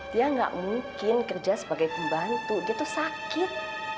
dia tidak mungkin kerja sebagai pembantu dia itu sakit